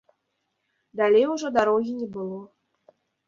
Далей ужо дарогі не было.